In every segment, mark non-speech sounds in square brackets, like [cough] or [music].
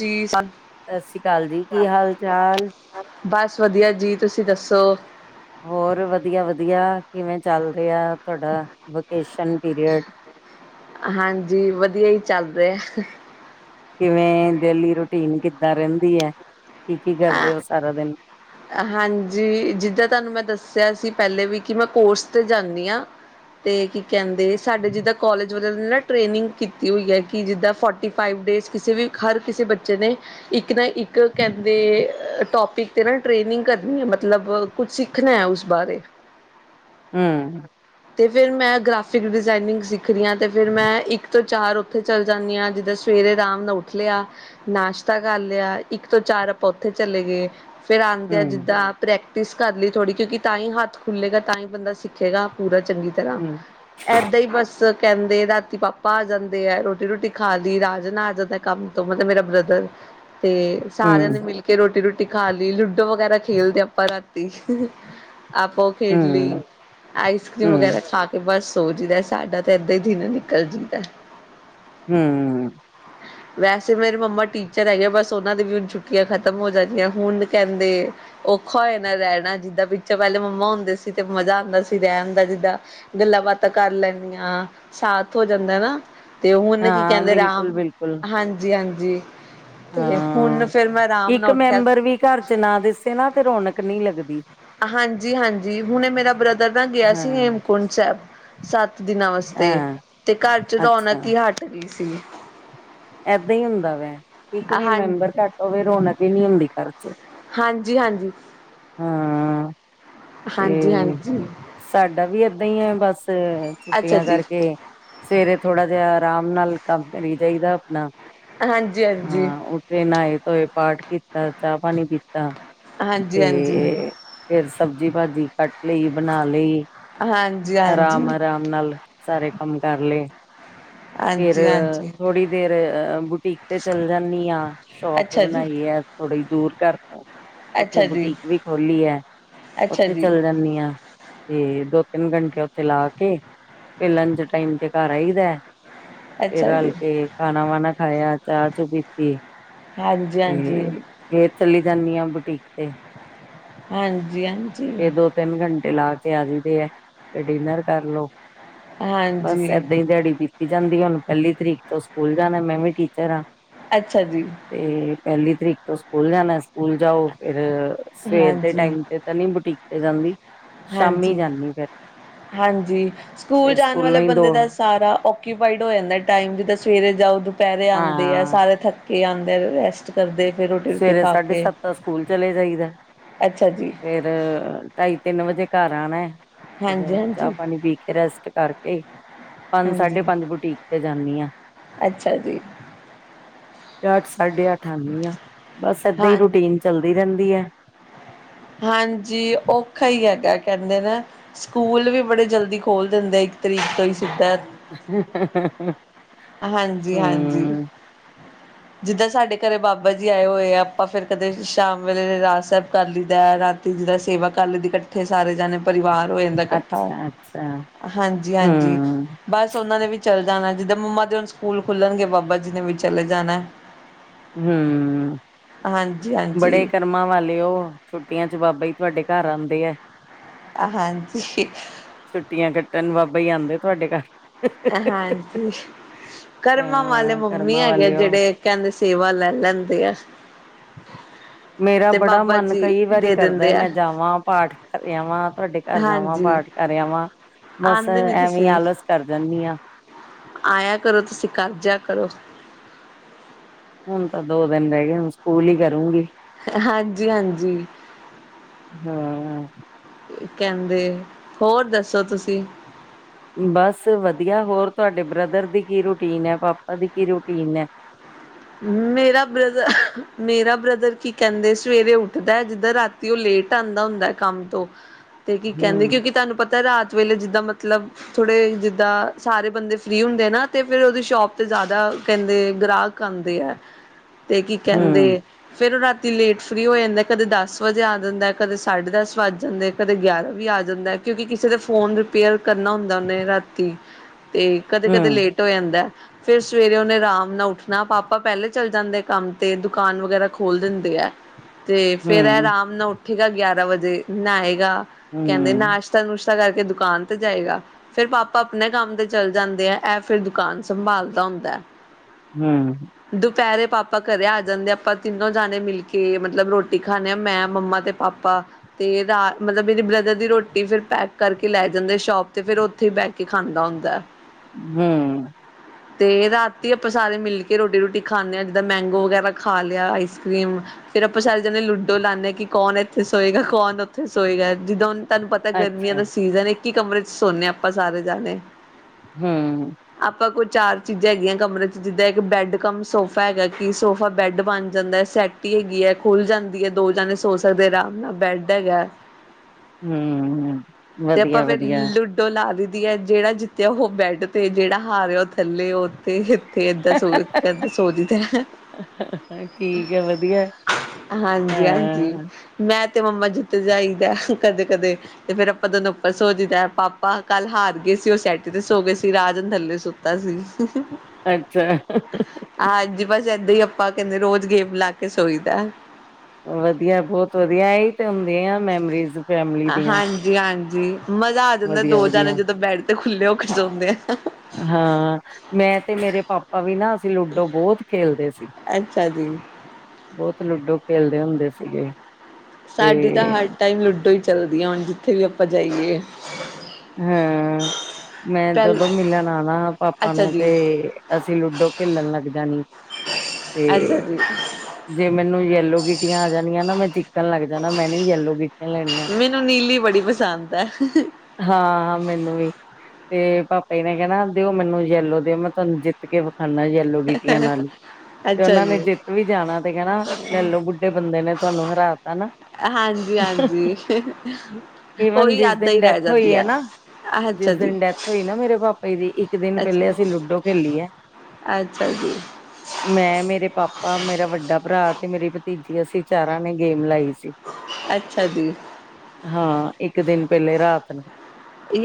ਜੀ ਸਨ। ਸ ਸ਼੍ਰੀ ਕਾਲ ਜੀ। ਕੀ ਹਾਲ-ਚਾਲ? ਬਸ ਵਧੀਆ ਜੀ, ਤੁਸੀਂ ਦੱਸੋ? ਹੋਰ ਵਧੀਆ- ਵਧੀਆ। ਕਿਵੇਂ ਚੱਲ ਰਿਹਾ, ਤੁਆਡਾ ਵਕੇਸ਼ਨ ਪੀਰੀਅਡ? ਹਾਂਜੀ, ਵਧੀਆ ਈ ਚੱਲ ਰਿਹਾ। ਕਿਵੇਂ ਡੇਲੀ ਰੂਟੀਨ ਕਿੱਦਾਂ ਰਹਿੰਦੀ ਹੈ। ਕੀ- ਕੀ ਕਰਦੇ ਓ ਸਾਰਾ ਦਿਨ? ਹਾਂਜੀ, ਜਿੱਦਾਂ ਤੁਹਾਨੂੰ ਮੈਂ ਦੱਸਿਆ ਸੀ ਪਹਿਲੇ ਵੀ, ਕਿ ਮੈਂ ਕੋਰਸ ਤੇ ਜਾਂਦੀ ਆ। ਤੇ ਕੀ ਕਹਿੰਦੇ, ਸਾਡੇ ਜਿੱਦਾਂ ਕੋਲਜ ਵ- ਨਾ ਟ੍ਰੇਨਿੰਗ ਕੀਤੀ ਹੋਈ ਹੈ। ਕਿ ਜਿੱਦਾਂ ਫੋਰਟੀ ਫਾਈਵ ਡੇਜ਼ ਕਿਸੇ ਵੀ ਹਰ ਕਿਸੇ ਬੱਚੇ ਨੇ। ਇੱਕ ਨਾ, ਇੱਕ ਕਹਿੰ- ਦੇ ਟੋਪਿਕ ਤੇ ਨਾ ਟ੍ਰੇਨਿੰਗ ਕਰਨੀ ਹੈ। ਮਤਲਬ ਕੁਛ ਸਿੱਖਣਾ ਹੈ ਉਸ ਬਾਰੇ। ਹੂੰ। ਤੇ ਫੇਰ ਮੈਂ ਗ੍ਰਾਫਿਕ ਡਿਜ਼ਾਇਨਿੰਗ ਸਿੱਖ ਦੀ ਹਾਂ। ਤੇ ਫੇਰ ਮੈਂ ਇੱਕ ਤੋਂ ਚਾਰ ਔਥੇ ਚੱਲ ਜਾਂਦੀ ਆਂ। ਜਿੱਦੇ ਸਵੇਰੇ ਰਾਮ ਨਾਲ ਉੱਠ ਲਿਆ। ਨਾਸ਼ਤਾ ਕਰ ਲਿਆ, ਇੱਕ ਤੋਂ ਚਾਰ ਅਪਾਂ ਔਥੇ ਚਲੇ ਗੇ। ਫੇਰ ਆੰਦੈ ਹਮ ਜਿੱਦਾਂ ਪ੍ਰੈਕਟਿਸ ਕਰ ਲਈ ਥੋੜੀ, ਕਿਉਂਕਿ ਤਾਂਈ ਹੱਥ ਖੁੱਲੇਗਾ ਤਾਂਈ ਬੰਦਾ ਸਿੱਖੇਗਾ। ਪੂਰਾ ਚੰਗੀ ਤਰਾਂ। ਹਮ ਐਦਾਂ ਹੀ ਬਸ ਕੈੰਦੇ ਰਾਤੀ ਪਾਪਾ ਆ ਜਾਂਦੇ ਐ। ਰੋਟੀ-ਰੁਟੀ ਖਾ ਦੀ ਰਾਜਨ ਆ ਜਾਂਦਾ ਐ। ਕੰਮ ਤੋਂ ਮਤਲਬ ਬ੍ਰਦਰ। ਤੇ ਸਾਰਿਆਂ ਹਮ ਨੇ ਮਿਲ ਕੇ ਰੋਟੀ-ਰੂਟੀ ਖਾ ਲੀ। ਲੂਡੋ ਵਗੈਰਾ ਖੇਲਦੇ ਅਪਾਂ, ਰਾ ਤੀ, ਆਪਾ ਔ ਖੇਡਲੀ ਹਮ ਆਈਸ ਕਰ੍ਰੀਮ ਹਮ ਵਗੈਰਾ ਖਾ ਕੇ ਬਸ ਸੌ ਜੀ ਦਾ। ਸਾਡਾ ਤੇ ਐਦਾਂ ਈ ਦਿਨ ਨਿਕਲ ਜੰਦਾ ਏ। ਹੂੰ। ਹ [inaudible] ਵੈਸੇ ਮੇਰੀ ਮੰਮਾ ਟੀਚਰ ਹੈਗੇ। ਬਸ ਉਹਨਾਂ ਦੀ ਵੀ ਹੁਣ ਛੁੱਟੀਆ ਖਤਮ ਹੋ ਜਾਂਦੀਆਂ। ਹੁਣ ਕਹਿੰਦੇ ਔਖਾ ਹੋ ਜਾਣਾ ਰਹਿਣਾ। ਜਿੱਦਾਂ ਪਿਛੇ ਪਹਿਲੇ ਮੰਮਾ ਹੁੰਦੇ ਸੀ, ਤੇ ਮਜ਼ਾ ਆਉਂਦਾ ਸੀ। ਰਹਿਣ ਦਾ ਜਿੱਦਾਂ, ਗੱਲਾਂ- ਬਾਤਾਂ ਕਰ ਲੈਂਦੀਆਂ ਸਾਥ ਹੋ ਜਾਂਦਾ ਨਾ। ਤੇ ਹੁਣ ਕੀ ਹਾਂ ਕਹਿੰਦੇ, ਬਿਲਕੁਲ ਰਾਮ ਬਿਲਕੁਲ ਹਾਂਜੀ। ਜੀ ਹਾਂਜੀ, ਤੇ ਹਾਂ ਹੁਣ ਫੇਰ ਮੈਂ ਆਰਾਮ ਇੱਕ ਨਾਲ ਉੱਠਿਆ। ਮੈਂਬਰ ਵੀ ਘਰ ਚ ਨਾ ਦਿਸੇ ਨਾ, ਤੇ ਰੌਣਕ ਨਹੀਂ ਲੱਗਦੀ। ਹਾਂਜੀ- ਹਾਂਜੀ ਹੁਣੇ ਮੇਰਾ ਬ੍ਰਦਰ ਨਾ, ਗਿਆ ਸੀ ਹਾਂ ਹੇਮਕੁੰਟ ਸਾਹਿਬ। ਸੱਤ ਦਿਨਾਂ ਵਾਸਤੇ ਹਾਂ ਤੇ, ਘਰ ਚ ਅੱਛਾ ਰੌਣਕ ਹੀ ਹਟ ਗਈ ਸੀ। ਏਦਾਂ ਹੀ ਹੁੰਦਾ ਵੈ, ਇੱਕ ਹਾਂ ਵੀ ਹਾਂਜੀ ਮੈਂਬਰ ਘੱਟ ਹੋਵੇ ਰੌਣਕ ਨੀ ਹੁੰਦੀ ਘਰ ਚੋਂ। ਹਾਂਜੀ- ਹਾਂਜੀ। ਹੂੰ। ਹਾਂਜੀ- ਹਾਂਜੀ। ਸਾਡਾ ਵੀ ਏਦਾਂ ਈ ਹੈ, ਬਸ ਅੱਛਾ ਛੁੱਟੀਆਂ ਜੀ, ਕਰਕੇ। ਤੇ ਸਵੇਰੇ ਥੋੜਾ ਜਿਹਾ, ਆਰਾਮ ਨਾਲ ਕੰਮ ਕਰੀ ਜਾਈਦਾ ਆਪਣਾ। ਹਾਂਜੀ, ਹਾਂ। ਹਾਂ ਉੱਠੇ ਨਹਾਏ- ਧੋਏ ਪਾਠ ਕੀਤਾ। ਚਾਹ- ਪਾਣੀ ਪੀਤਾ। ਹਾਂਜੀ- ਹਾਂਜੀ। ਤੇ ਫੇਰ ਸਬਜ਼ੀ- ਭਾਜੀ ਕੱਟ ਲਈ, ਬਣਾ ਲਈ ਹਾਂਜੀ ਹਾਂਜੀ, ਆਰਾਮ- ਆਰਾਮ। ਨਾਲ ਸਾਰੇ ਕੰਮ ਕਰ ਲਏ। ਫਿਰ, ਹਾਂਜੀ ਹਾਂਜੀ, ਥੋੜੀ ਦੇਰ ਅਹ ਬੁਟੀਕ ਤੇ ਚੱਲ ਜਾਂਦੀ ਹਾਂ। ਸ਼ੋਪ ਅੱਛਾ ਜੀ। ਬਣਾਈ ਹੈ। ਥੋੜ੍ਹੀ ਦੂਰ ਘਰ ਤੋਂ ਉੱਥੇ ਅੱਛਾ ਜੀ, ਬੁਟੀਕ ਵੀ ਖੋਲੀ ਹੈ। ਅੱਛਾ ਉੱਥੇ ਜੀ, ਚੱਲ ਜਾਂਦੀ ਹਾਂ। ਤੇ ਦੋ ਤਿੰਨ ਘੰਟੇ ਉੱਥੇ ਲਾ ਕੇ ਫਿਰ ਲੰਚ ਟਾਈਮ ਤੇ ਘਰ ਆਈਦਾ। ਫੇਰ ਅੱਛਾ ਜੀ, ਹਲਕੇ ਖਾਨਾ ਵਾਨਾ ਖਾਇਆ ਚਾਹ ਚੂ ਪੀਤਤੀ। ਹਾਂਜੀ ਹਾਂਜੀ। ਤੇ, ਫੇਰ ਚਲੀ ਜਾਂਦੀ ਹ ਬੁਟੀਕ ਤੇ। ਹਾਂਜੀ-ਹਾਂਜੀ। ਫ ਦੋ ਤਿੰਨ ਘੰਟੇ ਲਾ ਕੇ ਆ ਜਾਂਈਦੇ ਹੈ। ਫ ਡਿਨਰ ਕਰਲੋ ਬਸ ਹਾਂਜੀ। ਏਦਾਂ ਹੀ ਦਿਹਾੜੀ ਬੀਤੀ ਜਾਂਦੀ ਇਹ। ਉਹਨੂੰ ਪਹਿਲੀ ਤਰੀਕ ਤੋਂ ਸਕੂਲ ਜਾਣਾ। ਮੈਂ ਵੀ ਟੀਚਰ ਹਾਂ। ਅੱਛਾ ਜੀ। ਤੇ ਪਹਿਲੀ ਤਰੀਕ ਤੋਂ ਸਕੂਲ ਜਾਣਾ ਸਕੂਲ ਜਾਓ ਫਿਰ, ਸਵੇਰ ਦੇ ਹਾਂਜੀ, ਟਾਈਮ ਤੇ ਤਾਂ ਨਹੀਂ ਬੁਟੀਕ ਤੇ ਜਾਂਦੀ। ਸ਼ਾਮੀ ਜਾਂਦੀ ਫਿਰ ਹਾਂਜੀ-ਹਾਂਜੀ ਸਕੂਲ ਤੇ ਜਾਣ ਵਾਲੇ ਸਕੂਲੋਂ ਹੀ ਦੋ ਬੰਦੇ ਦਾ ਸਾਰਾ ਆਕੀਪਾਈਡ ਹੋ ਜਾਂਦਾ ਟਾਈਮ ਜਿਦ੍ਹਾ ਸਵੇਰੇ ਜਾਓ ਦੁਪਹਿਰੇ ਆਉਂਦੇ ਆ ਹਾਂ ਸਾਰੇ ਥੱਕੇ ਆਉਂਦੇ ਆ ਰੈਸਟ ਕਰਦੇ ਫਿਰ ਰੋਟੀ-ਰੋਟੀ ਸਵੇਰੇ ਖਾ ਸਾਢੇ ਕੇ, ਸੱਤ ਤਾਂ ਸਕੂਲ ਅੱਛਾ ਜੀ। ਫ ਢਾਈ ਤਿੰਨ ਵਜੇ ਘਰ ਆਣਾ ਹੈ। ਹਾਂਜੀ ਫ ਚਾਹ ਹਾਂਜੀ, ਪਾਣੀ ਪੀ ਕੇ ਰੈਸਟ ਕਰਕੇ ਏ ਪੰਜ ਹਾਂਜੀ। ਸਾਢੇ ਪੰਜ ਬੁਟੀਕ ਤੇ ਜਾਂਨੀ ਆ। ਅੱਛਾ ਜੀ। ਅੱਠ ਸਾਢੇ ਅੱਠ ਆਂਦੀ ਆ ਬਸ ਏਦਾਂ ਈ ਹਾਂ ਰੂਟੀਨ ਚੱਲਦੀ ਰੈਂਦੀ ਐ। ਹਾਂਜੀ ਔਖਾ ਹੀ ਹੈਗਾ ਕਹਿੰਦੇ ਨੇ, ਸਕੂਲ ਵੀ ਬੜੇ ਜਲਦੀ- ਖੋਲ੍ਹ ਦਿੰਦੇ ਇੱਕ ਤਰੀਕ ਤੋਂ ਹੀ ਸਿੱਧਾ [unintelligible] ਹਾਂਜੀ-ਹਾਂਜੀ। ਹਮ ਜਿੱਦਾਂ ਸਾਡੇ ਘਰੇ ਬਾਬਾ ਜੀ ਆਏ ਹੋਏ ਆ। ਆਪਾਂ ਫਿਰ ਕਦੇ ਸ਼ਾਮ ਵੇਲੇ ਰਹਿਰਾਸ ਸਾਹਿਬ ਕਰ ਲਈਦਾ ਹੈ। ਰਾ ਜਿਦਾ ਸੇਵਾ ਕਰ ਲਈ ਦੀ ਇਕੱਠੇ ਸਾਰੇ ਜਾਣੇ ਪਰਿਵਾਰ ਦਾ ਇਕੱਠਾ। ਅੱਛਾ ਅੱਛਾ ਹਾਂਜੀ-ਹਾਂਜੀ। ਹਮ ਬਸ ਉਹਨਾਂ ਨੇ ਵੀ ਚੱਲ ਜਾਣਾ ਜਿੱਦਾਂ ਮੰਮਾ। ਹੁਣ ਸਕੂਲ ਖੁੱਲਣਗੇ ਬਾਬਾ ਜੀ ਨੇ ਵੀ ਚਲੇ ਜਾਣਾ। ਹਮ। ਹਾਂਜੀ ਹਾਂ। ਬੜੇ ਕਰਮਾਂ ਵਾਲੇ ਉਹ ਛੁੱਟੀਆਂ ਚ ਬਾਬਾ ਜ ਤੁਹਾਡੇ ਘਰ ਆਉਂਦੇ ਹੈ। ਹਾਂਜੀ। ਛੁੱਟੀਆਂ ਕੱਟਣ ਬਾਬਾ ਜੀ ਆਉਂਦੇ ਤੁਹਾਡੇ ਘਰ। ਹਾਂਜੀ। ਕਰਮਾਂ ਵਾਲੇ ਹਾਂ ਮੰਮੀ ਕਰਮਾਂ ਹੈਗੇ। ਵਾਲੇ ਉਹ ਜਿਹੜੇ ਕਹਿੰਦੇ ਸੇਵਾ ਲੈ ਲੈਂਦੇ ਆ। ਮੇਰਾ ਤੇ ਬੜਾ ਬਾਬਾ ਮਨ ਜੀ ਕਈ ਵਾਰੀ ਦੇ ਕਰਦਾ। ਦਿੰਦੇ ਆ ਮੈਂ ਜਾਵਾਂ ਪਾਠ ਘ ਆਵਾਂ ਤੁਹਾਡੇ ਘਰ ਜਾਵਾਂ ਹਾਂਜੀ ਪਾਠ ਕੇ ਕਰਿਆ ਵਾਂ ਬਸ ਆਂਦੇ ਨੀ ਐਵੇਂ ਤੁਸੀਂ ਆਲਸ ਕਰ ਜਾਂਨੀ ਆ। ਆਇਆ ਕਰੋ ਤੁਸੀਂ ਕਰਜਿਆ ਕਰੋ। ਹੁਣ ਤਾਂ ਦੋ ਦਿਨ ਰੈਗੇ ਹੁਣ ਸਕੂਲ ਈ ਕਰੂੰਗੀ। ਹਾਂਜੀ-ਹਾਂਜੀ ਹਾਂ। ਕੈਂਦੇ, ਹੋਰ ਦੱਸੋ ਤੁਸੀਂ? ਬਸ ਵਧੀਆ, ਹੋਰ ਤੁਹਾਡੇ ਬ੍ਰਦਰ ਦੀ ਕੀ ਰੂਟੀਨ ਐ ਪਾਪਾ ਦੀ ਕੀ ਰੂਟੀਨ ਐ? ਮੇਰਾ ਬ੍ਰਦਰ ਮੇਰਾ ਬ੍ਰਦਰ ਕੀ ਕੈਂਦੇ ਸਵੇਰੇ ਉੱਠਦੈ ਜਿੱਦਾਂ ਰਾ ਤੀ ਓ ਲੇਟ ਆਂਦਾ ਹੁੰਦੈ ਕੰਮ ਤੋਂ ਤੇ ਕੀ ਕੈਂਦੇ ਹਮ ਕਿਉਂਕਿ ਤੁਹਾਨੂੰ ਪ ਤਾਂ ਰਾਤ ਵੇਲੇ ਜਿੱਦਾਂ ਮਤਲਬ ਥੋੜ੍ਹੇ ਜਿੱਦਾਂ ਸਾਰੇ ਬੰਦੇ ਫ੍ਰੀ ਹੁੰਦੇ ਆ ਨਾ ਤੇ ਫਿਰ ਓਦੀ ਸ਼ੋਪ ਤੇ ਜਾਦਾ ਕੈਂਦੇ ਗ੍ਰਾ [unintelligible] ਕੀ ਕੈਂਦੇ ਹਮ ਫੇਰ ਓ ਰਾਤੀ ਲੇਟ ਫ੍ਰੀ ਹੋ ਜਾਂਦਾ ਕਦੇ ਦਸ ਵਜੇ ਆ ਜਾਂਦਾ ਕਦੇ ਸਾਢੇ ਦਸ ਵੱਜ ਜਾਂਦੇ। ਕਦੇ ਗਿਆਰਾਂ ਵੀ ਆ ਜਾਂਦੈ ਕਿਉਂਕਿ ਕਿਸੇ ਦੇ ਫੋਨ ਪੇਅਰ ਕਰਨਾ ਹੁੰਦਾ ਓਨੇ ਰਾਤੀ ਤੇ ਕਦੇ-ਕਦੇ ਹਮ ਲੇ ਟ ਹੋ ਜਾਂਦੈ ਫੇਰ ਸਵੇਰੇ ਓਨੇ ਅਰਾਮ ਨਾਲ ਉੱਠ ਨਾ ਪਾਪਾ ਪੈਲੇ ਚੱਲ ਜਾਂਦੇ ਕੰਮ ਤੇ ਦੁਕਾਨ ਵਗੈਰਾ ਖੋਲ ਦਿੰਦੇ ਐ। ਤੇ ਫੇਰ ਏ ਹਮ ਆਰਾਮ ਨਾਲ ਉੱਠੇਗਾ ਗਿਆਰਾਂ ਵਜੇ ਨਾਏਗਾ ਕੈਦੇ ਨਾਸ਼ ਹਮ ਨਾਸ਼ਤਾ ਨੁਸ਼ਤਾ ਕਰਕੇ ਦੁਕਾਨ ਤੇ ਜਾਏਗਾ। ਫੇਰ ਪਾਪਾ ਆਪਣੇ ਕੰਮ ਤੇ ਚੱਲ ਜਾਂਦੇ ਐ ਐ ਫਿਰ ਦੁਕਾਨ ਸੰਭਾਲਦਾ ਹੁੰਦੈ। ਹੂੰ। ਦੁਪਹਿਰੇ ਪਾਪਾ ਘਰੇ ਆ ਜਾਂਦੇ ਆ ਆਪਾਂ ਤਿੰਨੋ ਜਣੇ ਮਿਲ ਕੇ ਮਤਲੱਬ ਰੋਟੀ ਖਾਂਦੇ ਹਾਂ ਮੈਂ ਮੰਮਾ ਤੇ ਪਾਪਾ ਤੇ ਮਤਲੱਬ ਮੇਰੀ ਬ੍ਰਦਰ ਦੀ ਰੋਟੀ ਫਿਰ ਪੈਕ ਕਰਕੇ ਲੈ ਜਾਂਦੇ ਸ਼ੋਪ ਤੇ ਫਿਰ ਉੱਥੇ ਬਹਿ ਕੇ ਖਾਂਦਾ ਹੁੰਦਾ ਹੂੰ [unintelligible] ਤੇ ਰਾਤੀ ਹੀ ਆਪਾਂ ਸਾਰੇ ਮਿਲ ਕੇ ਕਿ ਰੋਟੀ ਰੋਟੀ ਖਾਂਦੇ ਹਾਂ ਜਿੱਦਾਂ ਮੈਂਗੋ ਵਗੈਰਾ ਖਾ ਲਿਆ ਆਈਸ ਕਰੀਮ ਫਿਰ ਆਪਾਂ ਸਾਰੇ ਜਣੇ ਲੂਡੋ ਲਾਂਦੇ ਹਾਂ ਕਿ ਕੌਣ ਇੱਥੇ ਸੋਏਗਾ ਕੌਣ ਉਥੇ ਸੋਏਗਾ ਜਿੱਦਾਂ ਹੁਣ ਤੁਹਾਨੂੰ ਪਤਾ ਗਰਮੀਂਆਂ ਅੱਛਾ ਦਾ ਸੀਜ਼ਨ ਇੱਕ ਈ ਕਮਰੇ ਚੱ ਸੋਨੇ ਆਪਾਂ ਸਾਰੇ ਜਣੇ ਹੂੰ ਆਪਾਂ ਕੋਈ ਚਾਰ ਚੀਜ਼ਾਂ ਹੈਗੀਆਂ ਕਮਰੇ ਚ ਜਿੱਦਾਂ ਇੱਕ ਬੈਡ ਕਮ ਸੋਫਾ ਹੈਗਾ ਕਿ ਸੋਫਾ ਬੈਡ ਬਣ ਜਾਂਦਾ ਐ ਸੈਟੀ ਹੈਗੀ ਐ ਖੁੱਲ ਜਾਂਦੀ ਐ ਦੋ ਜਾਣੇ ਸੋ ਸਕਦੇ ਆਰਾਮ ਨਾਲ ਬੈਡ ਹੈਗਾ। ਹੂੰ ਵਧੀਆ-ਵਧੀਆ ਤੇ ਓ ਲਾ ਦਈ ਦੀ ਐ ਜੇੜਾ ਜਿੱਤਿਆ ਓਹੋ ਬੈਡ ਤੇ ਜੇੜਾ ਹਾਰਿਆ ਓ ਥੱਲੇ ਓਤੇ ਇੱਥੇ। ਕਿੱਦਾਂ ਸੋ ਕਦੇ ਸੋ ਜੀ ਦਾ ਠੀਕ ਹੈ ਵਧੀਆ ਹਾਂਜੀ-ਹਾਂਜੀ ਹਾਂ ਮੈਂ ਤੇ ਮੰਮਾ ਜਿੱਤ ਜਾਈਦਾ ਕਦੇ-ਕਦੇ ਤੇ ਫੇਰ ਆਪਾਂ ਦੋਨੋ ਉੱਪ ਸੋਜੀਦੈ ਪਾਪਾ ਕੱਲ ਹਾਰ ਗੇ ਸੀ ਓ ਸੈਟੀ ਤੇ ਸੋ ਗੇ ਸੀ ਰਾਜਨ ਥੱਲੇ ਸੁ [unintelligible] ਅੱਛਾ। ਆਹ ਅੱਜ ਬਸ ਏਦਾਂ ਈ ਆਪਾਂ ਕੈਂਦੇ ਰੋਜ਼ ਗੇਮ ਲਾ ਕੇ ਸੋਈ ਦੈ। ਵਧੀਆ ਬੋਤ ਵਧੀਆ ਐਈ ਤੇ ਹੁੰਦੀਆ ਮੈਮਰੀਜ਼। ਫੈਮਲੀ ਦੀਆਂ ਹਾਂਜੀ-ਹਾਂਜੀ ਮਜ਼ਾ ਆ ਜਾਂਦਾ ਦੋ ਜਾਣੇ ਵਧੀਆ-ਵਧੀਆ ਜਦੋਂ ਬੈਡ ਤੇ ਖੁੱਲੇ ਹੋ ਕੇ ਸੌਂਦੇ ਐ। ਹਾਂ ਮੈਂ ਤੇ ਮੇਰੇ ਪਾਪਾ ਵੀ ਨਾ ਅਸੀਂ ਲੂਡੋ ਬੋਤ ਖੇਲਦੇ ਸੀ। [unintelligible] ਬਹੁੱਤ ਲੂਡੋ ਖੇਲਦੇ ਹੁੰਦੇ ਸੀਗੇ ਤੇ ਸਾਡੀ ਤਾਂ ਹਰ ਟਾਈਮ ਲੂਡੋ ਈ ਚੱਲਦੀ ਐ ਹੁਣ ਜਿੱਥੇ ਵੀ ਆਪਾਂ ਜਾਈਏ ਹਾਂ ਮੈਂ ਪਹਿਲ ਜਦੋਂ ਮਿਲਣ ਆਉਣਾ ਪਾਪਾ ਅੱਛਾ ਨੂੰ ਤੇ ਜੀ। ਅਸੀਂ ਲੂਡੋ ਖੇਲਣ ਲੱਗ ਜਾਣੀ ਤੇ ਅੱਛਾ ਜੀ ਜੇ ਮੈਨੂੰ ਜੇਲੋ ਗੀਟੀਆਂ ਆ ਜਾਣੀਆਂ ਨਾ ਮੈਂ ਚਿੱਕਣ ਲੱਗ ਜਾਣਾ ਮੈਂ ਨੀ ਜੇਲੋ ਗੀਟੀਆਂ ਲੈਣੀਆਂ ਮੈਨੂੰ ਨੀਲੀ ਬੜੀ ਪਸੰਦ ਐ ਹਾਂ ਹਾਂ ਮੈਨੂੰ ਵੀ ਤੇ ਪਾਪਾ ਜੀ ਨੇ ਕਹਿਣਾ ਦਿਓ ਮੈਨੂੰ ਯੈਲੋ ਦਿਓ ਮੈਂ ਤੁਹਾਨੂੰ ਜਿੱਤ ਕੇ ਵਿਖਾਨਾ ਯੈਲੋ ਯੈਲੋ ਗੀਟੀਆਂ ਨਾਲ ਈ ਤੇ ਅੱਛਾ ਉਹਨਾ ਨੇ ਜੀ। ਜਿੱਤ ਵੀ ਜਾਣਾ ਤੇ ਕਹਿਣਾ ਲੈ ਲੋ ਬੁੱਢੇ ਬੰਦੇ ਨੇ ਤੁਹਾਨੂੰ ਹਰਾ ਤਾ ਨਾ ਹਾਂਜੀ ਹਾਂਜੀ ਈਵਨ ਉਹੀ ਜਿਸ ਯਾਦਾਂ ਦਿਨ ਈ ਰਹਿ ਡੈਥ ਜਾਂਦਾ ਹੋਈ ਹੈ ਵਧੀਆ ਨਾ ਅੱਛਾ ਜਿਸ ਜੀ ਦਿਨ ਡੈਥ ਹੋਈ ਨਾ ਮੇਰੇ ਪਾਪਾ ਦੀ ਇੱਕ ਦਿਨ ਪਹਿਲੇ ਅੱਛਾ ਅਸੀਂ ਲੂਡੋ ਖੇਲੀ ਏ ਅੱਛਾ ਜੀ ਮੈਂ ਮੇਰੇ ਪਾਪਾ ਮੇਰਾ ਵੱਡਾ ਭਰਾ ਤੇ ਮੇਰੀ ਭਤੀਜੀ ਅਸੀਂ ਚਾਰਾਂ ਨੇ ਗੇਮ ਲਾਈ ਸੀ ਅੱਛਾ ਜੀ ਹਾਂ ਇੱਕ ਦਿਨ ਪਹਿਲੇ ਰਾਤ ਨੂੰ,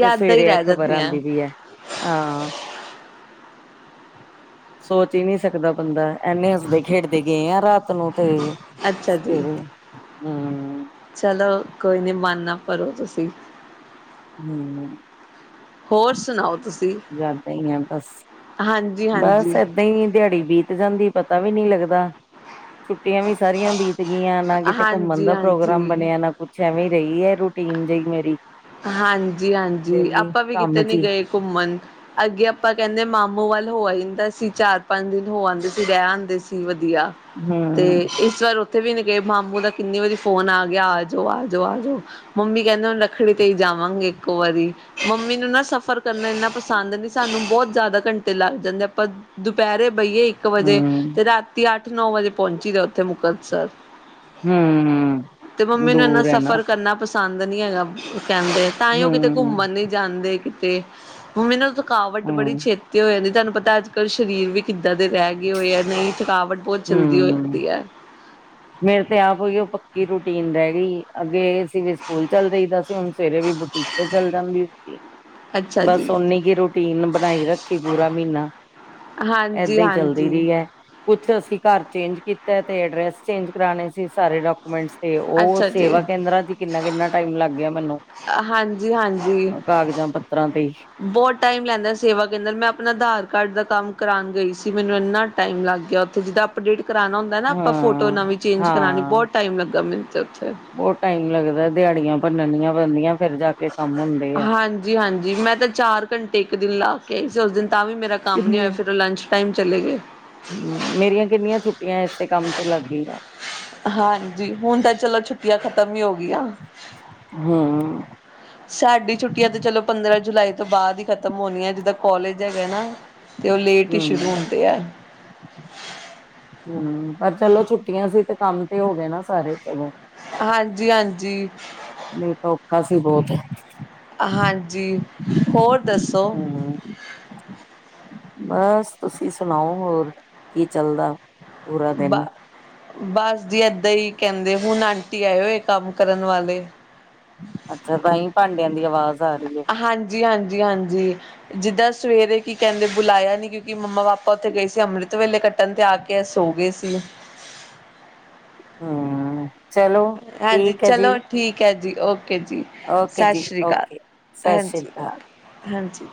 ਤੇ ਹੀ ਸਵੇਰੇ ਇਹ ਰਹਿ ਖ਼ਬਰ ਜਾਂਦੀਆਂ ਆਂਦੀ ਪਈ ਐ। ਹਾਂ, ਸੋਚ ਹੀ ਨਹੀਂ ਸਕਦਾ ਬੰਦਾ, ਇੰਨੇ ਹੱਸਦੇ ਖੇਡਦੇ ਗਏ ਆ ਰਾਤ ਨੂੰ। ਤੇ ਅੱਛਾ ਸਵੇਰ ਜੀ ਨੂੰ, ਹੂੰ ਚਲੋ ਕੋਈ ਨੀ, ਮਨ ਨਾ ਭਰੋ ਤੁਸੀਂ। ਹੂੰ, ਹੋਰ ਸੁਣਾਓ ਤੁਸੀਂ ਯਾਦਾਂ ਹੀ ਆ ਬਸ, ਹਾਂਜੀ ਬਸ ਹਾਂਜੀ ਏਦਾਂ ਨਹੀਂ ਦਿਹਾੜੀ ਬੀਤ ਜਾਂਦੀ, ਪਤਾ ਵੀ ਨਹੀਂ ਲੱਗਦਾ। ਛੁੱਟੀਆਂ ਵੀ ਸਾਰੀਆਂ ਬੀਤ ਗਈਆਂ, ਨਾ ਕਿਤੇ ਘੁੰਮਣ ਹਾਂਜੀ ਦਾ ਪ੍ਰੋਗਰਾਮ ਹਾਂਜੀ ਬਣਿਆ, ਨਾ ਕੁੱਛ ਕੁੱਛ ਐਵੇਂ ਰਹੀ ਐ, ਰੂਟੀਨ ਜਿਹੀ ਮੇਰੀ। ਹਾਂਜੀ- ਹਾਂਜੀ, ਡੇਲੀ ਆਪਾਂ ਵੀ ਕੰਮ ਕਿਤੇ ਚ ਨੀ ਹੀ ਗਏ ਘੁੰਮਣ। ਅੱਗੇ ਆਪਾਂ ਕਹਿੰਦੇ ਮਾਮੂ ਵੱਲ ਹੋ ਆਈਦਾ ਸੀ, ਚਾਰ ਪੰਜ ਦਿਨ ਹੋ ਆਂਦੇ ਸੀ, ਰਹਿ ਆਂਦੇ ਸੀ ਵਧੀਆ। ਤੇ ਹਮ ਇ ਇਸ ਵਾਰ ਉੱਥੇ ਵੀ ਨੀ ਗਏ, ਮਾਮੂ ਦਾ ਕਿੰਨੀ ਵਾਰੀ ਫੋਨ ਆ ਗਿਆ, ਆ ਜਾਓ- ਆ ਜਾਓ, ਆ ਜਾਓ ਮੰਮੀ ਕਹਿੰਦੇ ਹ ਫੇਰ ਕਈ ਜਾਵਾਂਗੇ, ਇੱਕੋ ਵਾਰੀ। ਮੰਮੀ ਨੂੰ ਨਾ ਸਫ਼ਰ ਕਰਨਾ ਇੰਨਾ ਪਸੰਦ ਨੀ, ਸਾਨੂੰ ਬਹੁਤ ਜ਼ਿਆਦਾ ਘੰਟੇ ਲੱਗ ਜਾਂਦੇ ਆ, ਆਪਾਂ ਦੁਪਹਿਰੇ ਬਹੀਏ ਇੱਕ ਵਜੇ, ਹਮ ਤੇ ਰਾਤੀ ਅੱਠ ਨੌ ਵਜੇ ਪਹੁੰਚੀਦਾ ਉੱਥੇ ਮੁਕਤਸਰ। ਹਮ ਤੇ ਮੰਮੀ ਨੂੰ ਇੰਨਾ ਦੂਰ ਹੈ ਨਾ ਸਫ਼ਰ ਕਰਨਾ ਪਸੰ ਪਸੰਦ ਨਹੀਂ ਹੈਗਾ ਕਹਿੰਦੇ, ਤਾਂਹੀ ਉਹ ਕਿਤੇ ਹਮ ਘੁੰਮਣ ਨੀ ਜਾਂਦੇ ਕਿਤੇ। ਮੰਮੀ ਨੂੰ ਥਕਾਵਟ ਬੜੀ ਹਮ ਛੇ ਤੀ ਹੋ ਜਾਂਦੀ ਏ, ਤੁਹਾਨੂੰ ਪਤਾ ਅੱਜ- ਕੱਲ੍ਹ ਸਰੀਰ ਵੀ ਕਿੱਦਾਂ ਦੇ ਰਹਿ ਗਏ ਹੋਏ ਆ, ਨਹੀਂ ਥਕਾਵਟ ਬਹੁ ਜਲਦੀ ਹੋ ਹਮ ਜਾਂਦੀ ਐ। ਮੇਰੇ ਤੇ ਆਪ ਉਹੀਓ ਪੱਕੀ ਰੂਟੀਨ ਰਹਿ ਗਈ, ਅੱਗੇ ਸਵੇਰੇ ਸਕੂਲ ਚੱਲੇ ਜਾਈਦਾ ਸੀ, ਹੁਣ ਸਵੇਰੇ ਵੀ ਬੁਟੀਕ ਤੇ ਚੱਲ ਜਾਂਦੀ ਸੀਗੀ। ਅੱਛਾ ਬੱਸ ਜੀ ਓਨੀ ਕਿ ਰੂਟੀਨ ਬਣਾਈ ਰੱਖੀ ਪੂਰਾ ਮਹੀਨਾ, ਹਾਂਜੀ ਏਦਾਂ ਹੀ ਚੱਲਦੀ ਹਾਂਜੀ ਰਹੀ ਐ। ਕੁੱਛ ਅਸੀਂ ਘਰ ਚੇਂਜ ਕੀਤਾ, ਤੇ ਅਡਰੈਸ ਚੇਂਜ ਕਰਾਣੇ ਸੀ ਸਾਰੇ ਡਾਕੂਮੇਂ ਡਾਕੂਮੈਂਟਸ ਤੇ, ਉਹ ਅੱਛਾ ਜੀ ਸੇਵਾ ਕੇਂਦਰਾਂ ਚ ਕਿੰਨਾ- ਕਿੰਨਾ ਟਾਈਮ ਲੱਗ ਗਿਆ ਮੈਨੂੰ। ਹਾਂਜੀ- ਹਾਂਜੀ। ਕਾਗਜ਼ਾਂ ਪੱਤਰਾਂ ਤੇ ਹੀ। ਬਹੁ ਟਾਈਮ ਲੈਂਦਾ ਸੇਵਾ ਕੇਂਦਰ, ਮੈਂ ਆਪਣਾ ਆਧਾਰ ਕਾਰਡ ਦਾ ਕੰਮ ਕਰਾਣ ਗਈ ਸੀ, ਮੈਨੂੰ ਇੰਨਾ ਟਾਈਮ ਲੱਗ ਗਿਆ, ਉਥੇ ਜਿੱਦਾਂ ਅਪਡੇਟ ਕਰਾਣਾ ਹੁੰਦਾ ਨਾ, ਆਪਾਂ ਫੋਟੋ ਹਾਂ ਨਵੀਂ ਚੇਂਜ ਕਰਾਣੀ, ਹਾਂ ਬਹੁਤ ਟਾਈਮ ਲੱਗਾ ਮੈਨੂੰ ਤੇ ਉੱਥੇ। ਬਹੁਤ ਟਾਈਮ ਲੱਗਦਾ, ਦਿਹਾੜੀਆਂ ਭੰਨਣੀਆਂ ਪੈਂਦੀਆਂ ਫਿਰ ਜਾ ਕੇ ਕੰਮ ਹੁੰਦਾ। ਹਾਂਜੀ-ਹਾਂਜੀ, ਮੈਂ ਤਾਂ ਚਾਰ ਘੰਟੇ ਇੱਕ ਦਿਨ ਲਾ ਕੇ ਆਈ ਸੀ, ਉਸ ਦਿਨ ਤਾਂ ਵੀ ਮੇਰਾ ਕੰਮ ਨੀ ਹੋਇਆ, ਫਿਰ ਉਹ ਲੰਚ ਟਾਈਮ ਚਲੇ ਗਏ। ਹੂੰ, ਮੇਰੀਆਂ ਕਿੰਨੀਆਂ ਛੁੱਟੀਆਂ ਇਸੇ ਕੰਮ ਚ ਲੱਗ ਗਈਆਂ। ਹਾਂਜੀ, ਹੁਣ ਤਾਂ ਚਲੋ ਛੁੱਟੀਆਂ ਖਤਮ ਹੀ ਹੋ ਗਈਆਂ। ਹੂੰ, ਸਾਡੀ ਛੁੱਟੀਆਂ ਤੇ ਚਲੋ ਪੰਦਰਾਂ ਜੁਲਾਈ ਤੋਂ ਬਾਅਦ ਹੀ ਖਤ ਮ ਹੋਣਗੀਆ, ਜਿੱਦਾਂ ਕੋਲਜ ਹੈਗਾ ਨਾ, ਤੇ ਉਹ ਲੇਟ ਹੀ ਸ਼ੁਰੂ ਹੁੰਦੇ ਆ। ਹੂੰ, ਪਰ ਚਲੋ ਛੁੱਟੀਆਂ ਸੀ, ਤੇ ਕੰਮ ਤੇ ਹੋ ਗਏ ਨਾ ਸਾਰੇ ਚਲੋ। ਹਾਂਜੀ- ਹਾਂਜੀ। ਨਹੀਂ ਤਾਂ ਔਖਾ ਸੀ ਬਹੁਤ। ਹਾਂਜੀ, ਹੋਰ ਦੱਸੋ ਹਮ ਬਸ ਤੁਸੀਂ ਸੁਣਾਓ, ਹੋਰ ਕੀ ਚੱਲਦਾ। ਪੂਰਾ ਦਿਨ ਬਸ ਜੀ ਇਦਾਂ ਈ ਕਹਿੰਦੇ, ਹੁਣ ਆਂਟੀ ਆਏ ਹੋਏ ਕੰਮ ਕਰਨ ਵਾਲੇ। ਅੱਛਾ, ਤਾਂਹੀਂ ਭਾਂਡਿਆਂ ਦੀ ਆਵਾਜ਼ ਆ ਰਹੀ ਐ। ਹਾਂਜੀ-ਹਾਂਜੀ-ਹਾਂਜੀ। ਜਿੱਦਾਂ ਸਵੇਰੇ ਕੀ ਕਹਿੰਦੇ ਬੁਲਾਇਆ ਨੀ, ਕਿਉਂਕਿ ਮੰਮਾ- ਪਾਪਾ ਉੱਥੇ ਗਏ ਸੀ ਅੰਮ੍ਰਿਤ ਵੇਲੇ, ਕ ਕਹਿੰਦੇ ਆ ਕੇ, ਸੋ ਗਏ ਸੀ। ਹੂੰ। ਹਾਂਜੀ ਚਲੋ ਠੀਕ ਹੈ, ਜੀ ਓਕੇ ਜੀ। ਓਕੇ ਸਤਿ ਜੀ ਸ੍ਰੀ ਅਕਾਲ ਓਕੇ ਸਤਿ ਸ੍ਰੀ ਹਾਂਜੀ, ਅਕਾਲ ਹਾਂਜੀ।